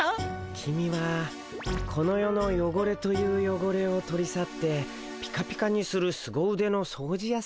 キミはこの世のよごれというよごれを取り去ってピカピカにするすご腕の掃除やさんだね。